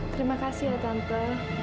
terima kasih ya tante